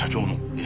ええ。